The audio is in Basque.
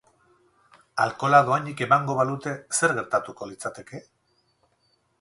Alkohola dohainik emango balute, zer gertatuko litzateke?